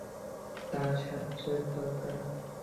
তার সাহায্য দরকার।